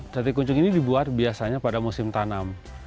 tete kuncung ini dibuat biasanya pada musim tanam